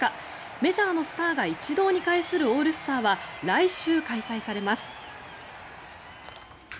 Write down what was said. メジャーのスターが一堂に会するオールスターは来週開催されます。